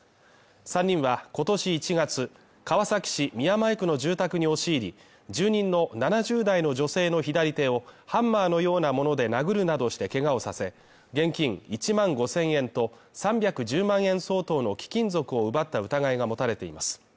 ３人は今年１月川崎市宮前区の住宅に押し入り、住人の７０代の女性の左手をハンマーのようなもので殴るなどしてけがをさせ、現金１万５０００円と３１０万円相当の貴金属を奪った疑いが持たれています。